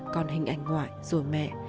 còn hình ảnh ngoại rồi mẹ